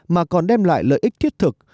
mà còn đem lại lợi ích thiết thực